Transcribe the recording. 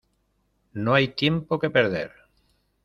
No hay tiempo que perder.